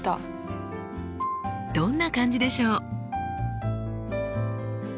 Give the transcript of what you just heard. どんな感じでしょう？